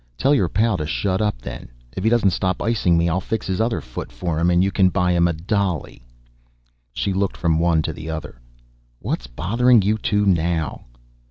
"Tell your pal to shut up, then. If he doesn't stop icing me I'll fix his other foot for him and you can buy him a dolly." She looked from one to the other. "What's bothering you two now?"